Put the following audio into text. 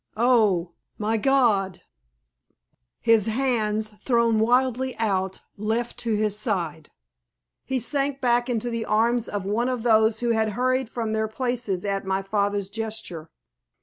Oh! my God!" His hands, thrown wildly out, fell to his side. He sank back into the arms of one of those who had hurried from their places at my father's gesture.